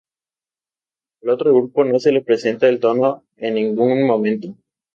Al otro grupo no se le presenta el tono en ningún momento.